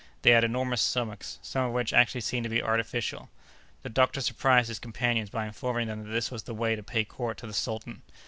They had enormous stomachs, some of which actually seemed to be artificial. The doctor surprised his companions by informing them that this was the way to pay court to the sultan.